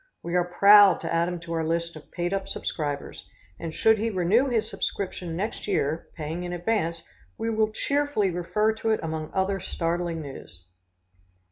We are proud to add him to our list of paid up subscribers, and should he renew his subscription next year, paying in advance, we will cheerfully refer to it among other startling news."